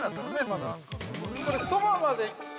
◆これ、そばまで来て、